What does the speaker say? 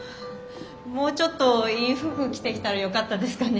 もうちょっといい服着てきたらよかったですかね。